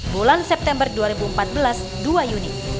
bulan september dua ribu empat belas dua unit